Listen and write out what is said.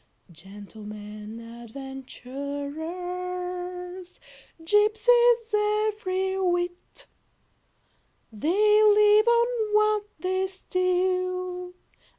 Gentlemen adventurers! Gypsies every whit! They live on what they steal.